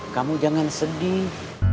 kamu jangan sedih